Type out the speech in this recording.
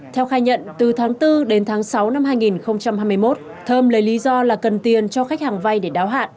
theo khai nhận từ tháng bốn đến tháng sáu năm hai nghìn hai mươi một thơm lấy lý do là cần tiền cho khách hàng vay để đáo hạn